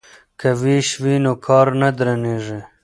که ویش وي نو کار نه درندیږي.